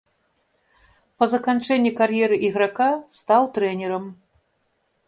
Па заканчэнні кар'еры іграка стаў трэнерам.